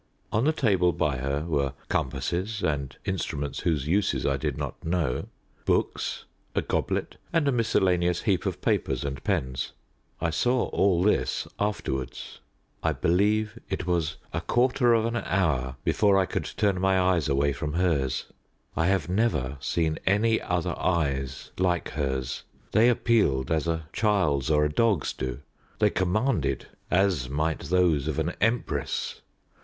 On the table by her were compasses and instruments whose uses I did not know, books, a goblet, and a miscellaneous heap of papers and pens. I saw all this afterwards. I believe it was a quarter of an hour before I could turn my eyes away from hers. I have never seen any other eyes like hers. They appealed, as a child's or a dog's do; they commanded, as might those of an empress.